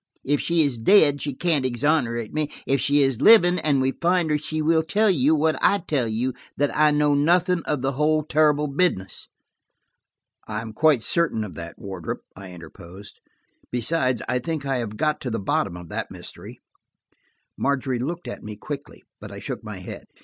If she is dead, she can't exonerate me; if she is living, and we find her, she will tell you what I tell you–that I know nothing of the whole terrible business." "I am quite certain of that, Wardrop," I interposed. "Beside, I think I have got to the bottom of that mystery." Margery looked at me quickly, but I shook my head.